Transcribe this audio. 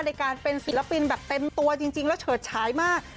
ในการเป็นศิลปินแบบเต็มตัวจริงแล้วเฉิดฉายมาก